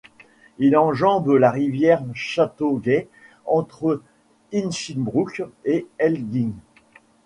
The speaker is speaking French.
Il enjambe la rivière Châteauguay entre Hinchinbrooke et Elgin.